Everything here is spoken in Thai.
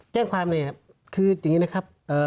แจ้งความเนี่ยคืออย่างนี้นะครับ